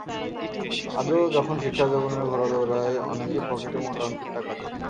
আজও যখন শিক্ষাজীবনের ঘোড়া দৌড়াই, অনেকে পকেটে মোটা অঙ্কের টাকা দেয়।